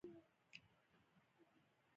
دې وسیله ځان له زمانې له زیانونو څخه ژغوري.